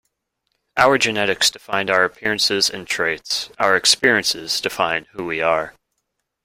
Our genetics define our appearances and traits. Our experiences define who we are.